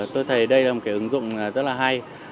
tôi thấy đây là một cái ứng dụng rất là hay